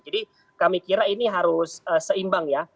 jadi kami kira ini harus seimbang ya